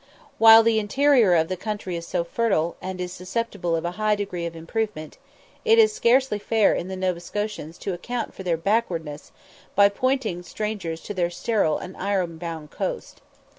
While the interior of the country is so fertile, and is susceptible of a high degree of improvement, it is scarcely fair in the Nova Scotians to account for their backwardness by pointing strangers to their sterile and iron bound coast.